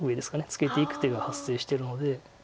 ツケていく手が発生してるので。